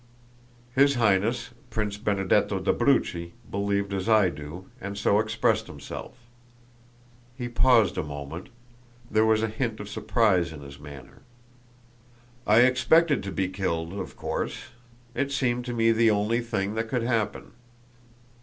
His Highness, Prince Benedetto d'Abruzzi believed as I do, and so expressed himself." He paused a moment; there was a hint of surprise in his manner. "I expected to be killed, of course. It seemed to me the only thing that could happen."